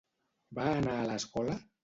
Va anar a l'escola?